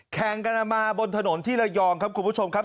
แข่งกันมาบนถนนที่ระยองครับคุณผู้ชมครับ